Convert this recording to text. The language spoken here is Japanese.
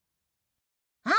あっ！